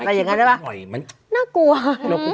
อะไรอย่างนั้นใช่ปะน่ากลัว